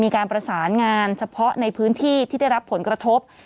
มีการประสานงานเฉพาะในพื้นที่ที่ได้รับผลกระทบ